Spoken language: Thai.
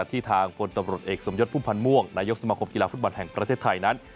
ที่ทางพลตำรวจเอกสมยศพุ่มพันธ์ม่วงนายกสมคมกีฬาฟุตบอลแห่งประเทศไทยนั้น